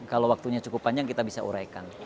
kalau waktunya cukup panjang kita bisa uraikan